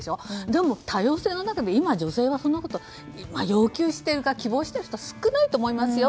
でも、多様性の中で今は女性はそんなことを要求しているか希望している人少ないと思いますよ。